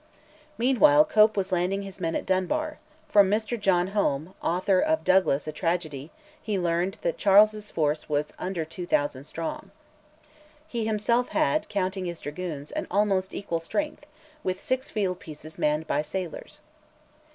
Meanwhile Cope was landing his men at Dunbar; from Mr John Home (author of 'Douglas, a Tragedy') he learnt that Charles's force was under 2000 strong. He himself had, counting the dragoons, an almost equal strength, with six field pieces manned by sailors.